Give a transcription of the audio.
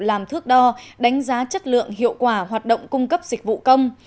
làm thước đo đánh giá chất lượng hiệu quả hoạt động cung cấp dịch vụ công